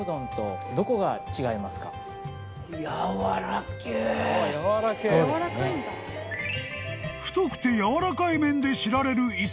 ［太くてやわらかい麺で知られる伊勢うどん］